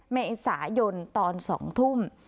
เมษายนตอน๒ทุ่ม